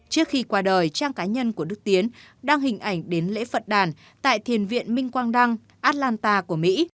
trước khi qua đời trang cá nhân của đức tiến đăng hình ảnh đến lễ phật đàn tại thiền viện minh quang đăng atlanta của mỹ